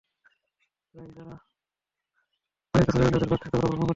তাই যাঁরা পানির কাছে যাবেন, তাঁদের বাড়তি সতর্কতা অবলম্বন করতে হবে।